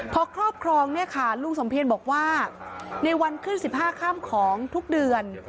พอครอบครองเนี่ยค่ะลุงสมเพียรบอกว่าในวันขึ้น๑๕ค่ำของทุกเดือน